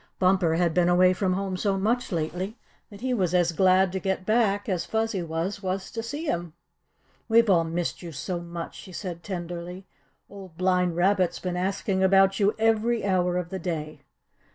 Bumper had been away from home so much lately that he was as glad to get back as Fuzzy Wuzz was to see him. "We've all missed you so much," she said tenderly. "Old Blind Rabbit's been asking about you every hour of the day."